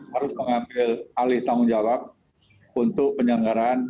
harus mengambil alih tanggung jawab untuk penyelenggaraan